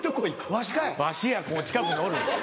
わしや近くにおる。